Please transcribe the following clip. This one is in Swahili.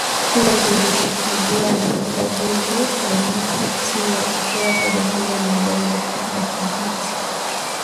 pia zilishuhudiwa na kukabidhi uenyekiti wa kutoka kwa jamhuri ya Malawi na kijiti